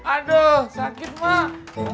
aduh sakit mak